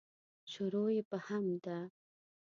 شروع یې په حمد ده.